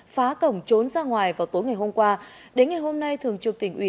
phá cổng trốn ra ngoài vào tối ngày hôm qua